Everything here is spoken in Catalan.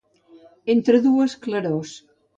Entre dues clarors.